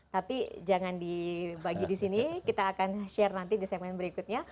tapi jangan dibagi di sini kita akan share nanti di segmen berikutnya